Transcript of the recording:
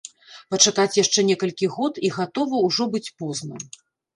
Пачакаць яшчэ некалькі год, і гатова ўжо быць позна.